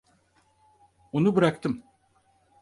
Onu bıraktım.